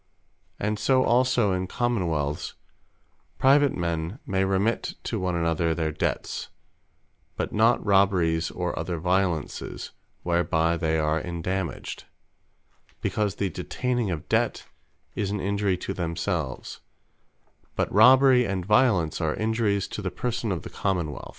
And so also in Common wealths, private men may remit to one another their debts; but not robberies or other violences, whereby they are endammaged; because the detaining of Debt, is an Injury to themselves; but Robbery and Violence, are Injuries to the Person of the Common wealth.